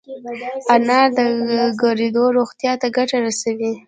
انار د ګردو روغتیا ته ګټه رسوي.